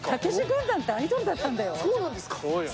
そうなんですか。